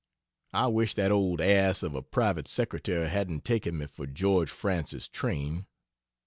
I wish that old ass of a private secretary hadn't taken me for George Francis Train.